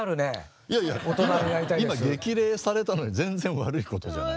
今激励されたのに全然悪いことじゃない。